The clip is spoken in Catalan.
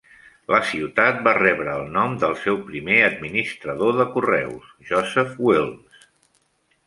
La ciutat va rebre el nom del seu primer administrador de correus, Joseph Wilmes.